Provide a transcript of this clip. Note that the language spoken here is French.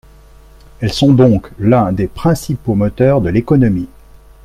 Elles sont donc l’un des principaux moteurs de l’économie.